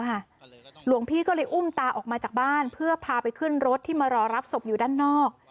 หลวงพี่ก็เลยอุ้มตาออกมาจากบ้านเพื่อพาไปขึ้นรถที่มารอรับศพอยู่ด้านนอก